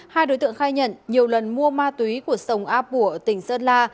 hai đối tượng khai nhận nhiều lần mua ma túy của sông áp bùa tỉnh sơn la